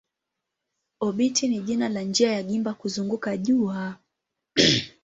Obiti ni jina la njia ya gimba kuzunguka jua.